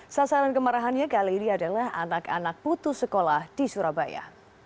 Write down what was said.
sasaran kemarahannya kali ini adalah anak anak putus sekolah di surabaya